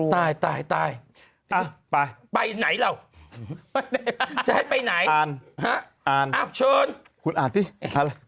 ตายไปไหนเหรอจะให้ไปไหนหาอ้าวเชิญคุณอ่านสิอ้าว